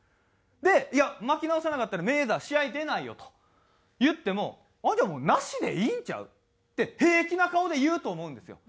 で「いや巻き直さなかったらメイウェザー試合出ないよ」と言っても「あっじゃあもうなしでいいんちゃう？」って平気な顔で言うと思うんですよ。